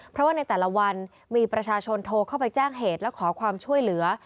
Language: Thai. เพราะว่าในแต่ละวันมีประชาชนโทรเข้าไปแจ้งเหตุและขอความช่วยเหลือ